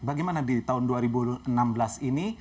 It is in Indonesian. bagaimana di tahun dua ribu enam belas ini